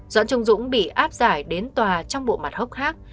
doãn trung dũng bị áp giải đến tòa trong bộ mặt hốc hác